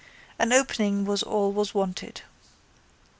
An opening was all was wanted.